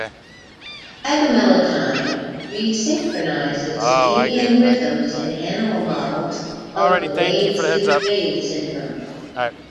Agomelatine resynchronises circadian rhythms in animal models of delayed sleep phase syndrome.